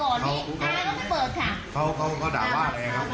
แล้วถามที่ตริศกรรมก็เลือกมันใหญ่กว่าสีแยกไปแดง